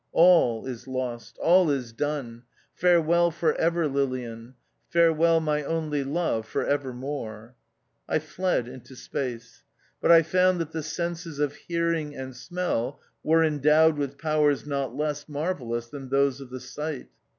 All is lost, all is done ; farewell for ever, Lilian : farewell my only love for ever more. I fled into Space. But I found that the senses of hearing and smell were endowed with powers not less marvellous than those of the sight.